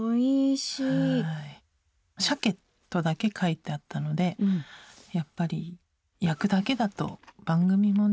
「鮭」とだけ書いてあったのでやっぱり焼くだけだと番組もね。